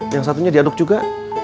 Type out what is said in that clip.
yang satunya diaduk juga